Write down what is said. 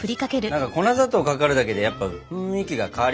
何か粉砂糖かかるだけでやっぱ雰囲気が変わりますね。